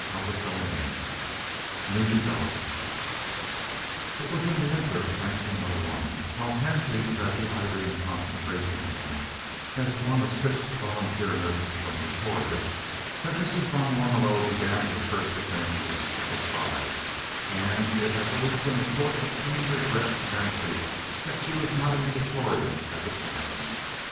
CHAPTER XIV NEW DEVELOPMENTS It was in the winter of 1901, while Hansie was at the Irene Concentration Camp, as one of six volunteer nurses from Pretoria, that Mrs. van Warmelo began her first adventures with the spies, and it has always been a source of keen regret to Hansie that she was not in Pretoria at the time.